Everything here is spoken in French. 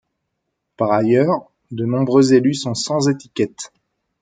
Par ailleurs, de nombreux élus sont sans étiquette.